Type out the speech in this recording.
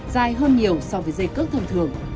dài hơn nhiều so với dây cước thường thường